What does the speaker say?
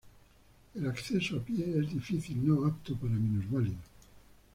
El acceso a pie es difícil, no apto para minusválidos.